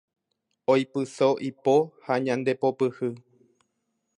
Oipyso ipo ha ñandepopyhy